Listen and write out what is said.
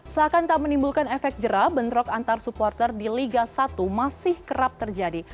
seakan tak menimbulkan efek jerah bentrok antar supporter di liga satu masih kerap terjadi